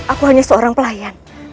aku hanya seorang pelayan